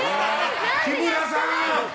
木村さん！